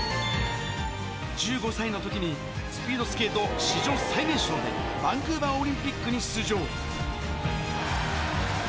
１５歳のときにスピードスケート史上最年少で、バンクーバーオリンピックに出場。